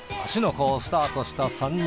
湖をスタートした３人。